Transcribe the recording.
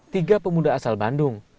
tiga pemuda asal bandung